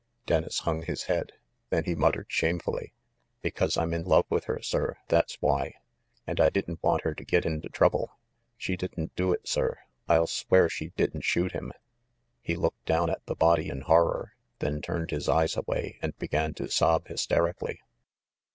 Dennis hung his head. Then he muttered shame fully, "Because I'm in love with her, sir, that's why! And I didn't want her to get into trouble. She didn't do it, sir. I'll swear she didn't shoot him !" He looked down at the body in horror, then turned his eyes away and began to sob hysterically.